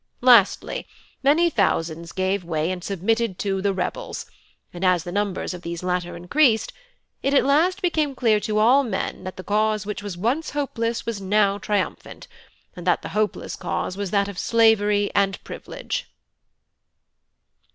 Lastly, many thousands gave way and submitted to 'the rebels'; and as the numbers of these latter increased, it at last became clear to all men that the cause which was once hopeless, was now triumphant, and that the hopeless cause was that of slavery and privilege."